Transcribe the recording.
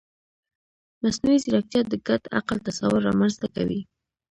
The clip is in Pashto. مصنوعي ځیرکتیا د ګډ عقل تصور رامنځته کوي.